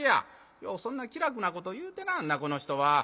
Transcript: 「ようそんな気楽なこと言うてなはんなこの人は。